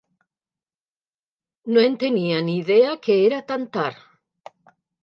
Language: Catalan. No en tenia ni idea que era tan tard.